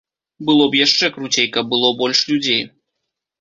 Было б яшчэ круцей, каб было больш людзей.